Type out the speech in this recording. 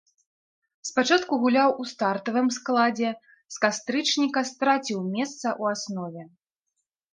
Спачатку гуляў у стартавым складзе, з кастрычніка страціў месца ў аснове.